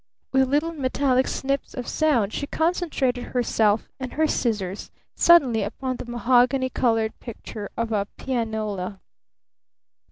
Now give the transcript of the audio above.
With little metallic snips of sound she concentrated herself and her scissors suddenly upon the mahogany colored picture of a pianola.